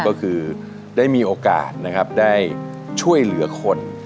ก็คือได้มีโอกาสนะครับได้ช่วยเหลือคน